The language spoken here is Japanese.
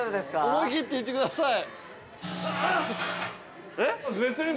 思い切って行ってください。